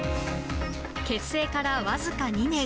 結成から、わずか２年。